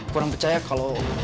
kurang percaya kalo